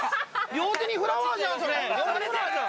両手にフラワーじゃん。